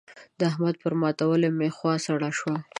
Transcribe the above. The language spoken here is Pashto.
د احمد پر ماتولو مې خوا سړه شوه.